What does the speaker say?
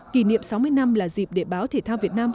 kỷ niệm sáu mươi năm là dịp để báo thể thao việt nam